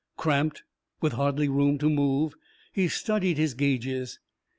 Cramped, with hardly room to move, he studied his gages.